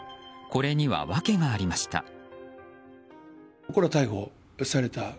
これには訳がありました。